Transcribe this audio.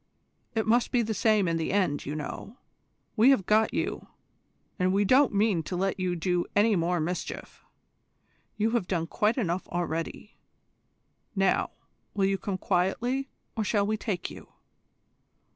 It must be the same in the end, you know. We have got you, and we don't mean to let you do any more mischief. You have done quite enough already. Now, will you come quietly, or shall we take you?